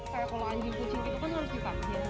pertanyaannya terdapat dari seorang pemht comprehender